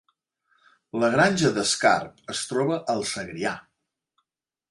La Granja d’Escarp es troba al Segrià